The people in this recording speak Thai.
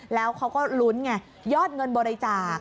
แล้วเขาก็ลุ้นไงยอดเงินบริจาค